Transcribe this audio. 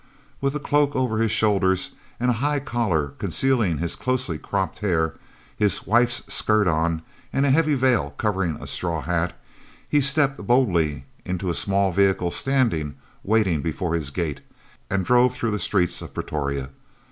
With a cloak over his shoulders and a high collar concealing his closely cropped hair, his wife's skirt on, and a heavy veil covering a straw hat, he stepped boldly into a small vehicle standing waiting before his gate and drove through the streets of Pretoria.